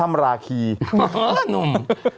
าเด็กหนุ่ม